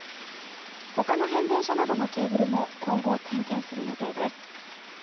ほかの変電所などのケーブルも今後、点検する予定です。